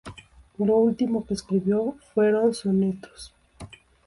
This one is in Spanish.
Lo último que escribió fueron sonetos.